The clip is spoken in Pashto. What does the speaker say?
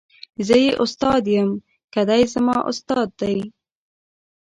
زه یې استاد یم که دای زما استاد دی.